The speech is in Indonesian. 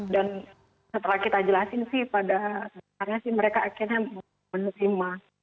dan setelah kita jelasin sih pada saatnya mereka akhirnya menerima